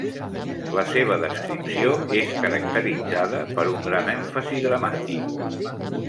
La seva descripció és caracteritzada per un gran èmfasi dramàtic.